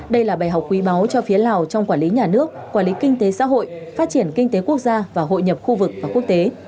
đây là bài học quý báu cho phía lào trong quản lý nhà nước quản lý kinh tế xã hội phát triển kinh tế quốc gia và hội nhập khu vực và quốc tế